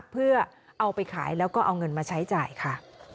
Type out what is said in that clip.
เพื่อเอาไปขายแล้วก็เอาเงินมาใช้จ่ายค่ะ